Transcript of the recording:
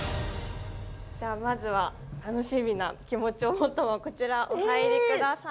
じゃあまずは楽しみな気持ちを持ったままこちらお入り下さい。